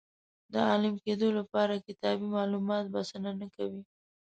د عالم کېدو لپاره کتابي معلومات بسنه نه کوي.